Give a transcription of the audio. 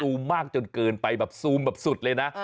ซูมมากจนเกินไปซูมแบบสุดเลยนะ